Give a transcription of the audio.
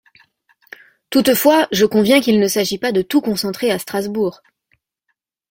Toutefois, je conviens qu’il ne s’agit pas de tout concentrer à Strasbourg.